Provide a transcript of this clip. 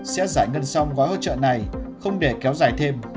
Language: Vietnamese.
sẽ giải ngân xong gói hỗ trợ này không để kéo dài thêm